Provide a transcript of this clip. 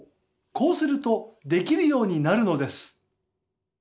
こうするとできるようになるのです。